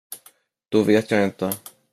Då vet jag inte.